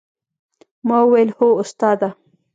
ما وويل هو استاده!